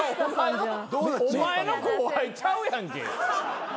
お前の後輩ちゃうやんけ。